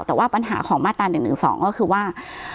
แต่ว่าปัญหาของมาตรา๑๑๒ก็คือว่า